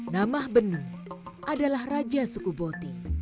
nama benu adalah raja suku boti